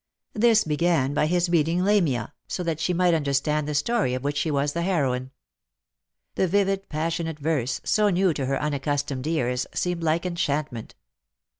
This began by his reading Lamia, so that she might understand the story of which she was the heroine. The vivid passionate verse, so new to her unaccustomed ears, seemed like •anchantment.